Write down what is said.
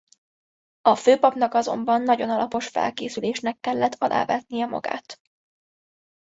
A főpapnak azonban nagyon alapos felkészülésnek kellett alávetnie magát.